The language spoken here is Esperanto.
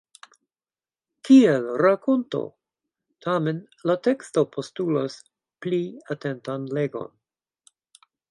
Kiel rakonto, tamen, la teksto postulas pli atentan legon.